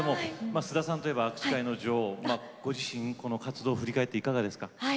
須田さんといえば握手会の女王活動を振り返っていかがですか。